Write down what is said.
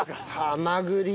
ハマグリ？